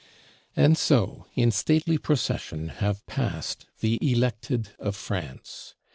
And so in stately Procession, have passed the Elected of France.